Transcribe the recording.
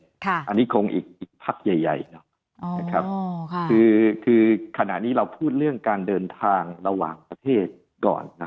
อันนี้คงอีกพักใหญ่คือขณะนี้เราพูดเรื่องการเดินทางระหว่างประเทศก่อน